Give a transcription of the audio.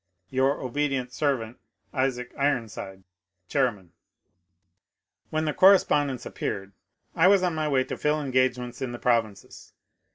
Your obedient servant, Isaac Isonside, Chairman. When the correspondence appeared I was on my way to fill etgagements in the provinces.